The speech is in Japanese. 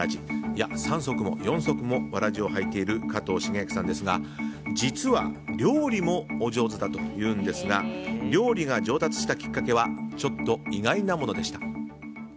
いや、三足も四足もわらじを履いている加藤シゲアキさんですが、実は料理もお上手だというんですが料理が上達したきっかけはちょっと意外なものでした。